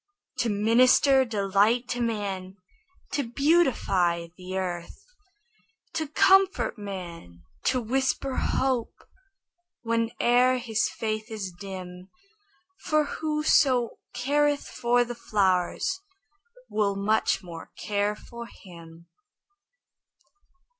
To minister delight to man, To beautify the earth; To comfort man, to whisper hope Whene'er his faith is dim; For Whoso careth for the flowers Will much more care for him.